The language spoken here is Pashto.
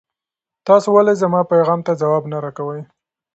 تاسو ولې زما پیغام ته ځواب نه راکوئ؟